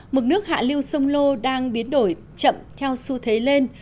mực nước hạ lưu sông lô đang biến đổi chậm theo xu thế lên